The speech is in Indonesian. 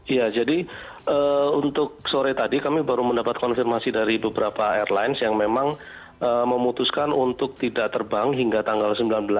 ya jadi untuk sore tadi kami baru mendapat konfirmasi dari beberapa airlines yang memang memutuskan untuk tidak terbang hingga tanggal sembilan belas